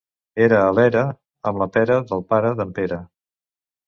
Era a l'era amb la pera del pare d'en Pere.